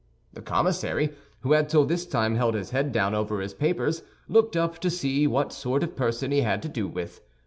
The commissary, who had till this time held his head down over his papers, looked up to see what sort of person he had to do with.